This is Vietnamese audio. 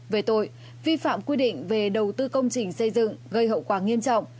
về tội vi phạm quy định về đầu tư công trình xây dựng gây hậu quả nghiêm trọng